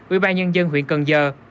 ủy ban nhân dân huyện cần giờ